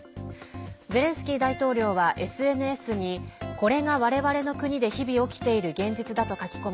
ゼレンスキー大統領はＳＮＳにこれが我々の国で日々起きている現実だと書き込み